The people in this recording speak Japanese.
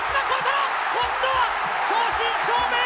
今度は正真正銘！